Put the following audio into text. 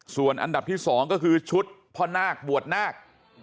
ส่วนอันดับที่๒ก็คือชุดพ่อนาคบวชนาค